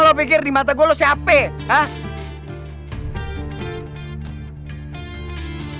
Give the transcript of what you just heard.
lo pikir di mata gue lo siapa kek